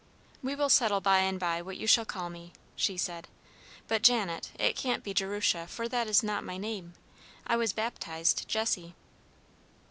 "We will settle by and by what you shall call me," she said. "But, Janet, it can't be Jerusha, for that is not my name. I was baptized Jessie."